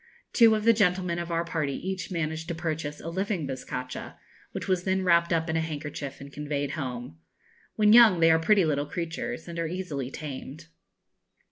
Two of the gentlemen of our party each managed to purchase a living bizcacha, which was then wrapped up in a handkerchief and conveyed home. When young they are pretty little creatures, and are easily tamed.